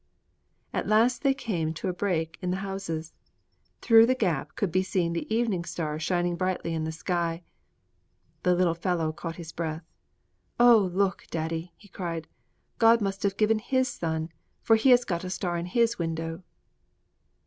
At last they came to a break in the houses. Through the gap could be seen the evening star shining brightly in the sky. The little fellow caught his breath. "Oh, look, Daddy," he cried, "God must have given His Son, for He has got a star in His window."'